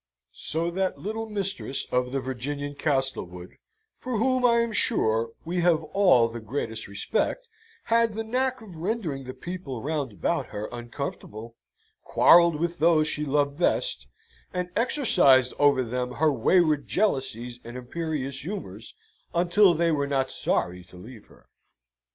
So that little Mistress of the Virginian Castlewood, for whom, I am sure, we have all the greatest respect, had the knack of rendering the people round about her uncomfortable; quarrelled with those she loved best, and exercised over them her wayward jealousies and imperious humours, until they were not sorry to leave her.